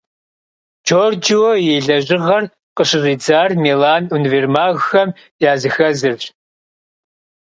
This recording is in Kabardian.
Джорджио и лэжьыгъэр къыщыщӀидзар Милан универмагхэм языхэзырщ.